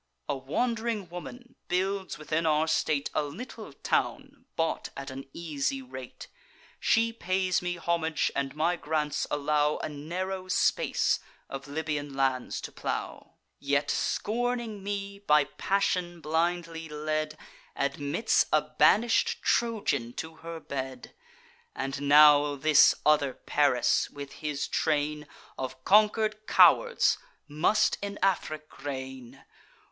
A wand'ring woman builds, within our state, A little town, bought at an easy rate; She pays me homage, and my grants allow A narrow space of Libyan lands to plow; Yet, scorning me, by passion blindly led, Admits a banish'd Trojan to her bed! And now this other Paris, with his train Of conquer'd cowards, must in Afric reign!